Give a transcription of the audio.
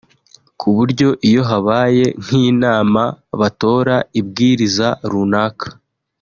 ku buryo iyo habaye nk’inama batora ibwiriza runaka